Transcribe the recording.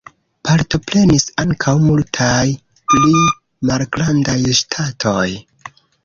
Partoprenis ankaŭ multaj pli malgrandaj ŝtatoj.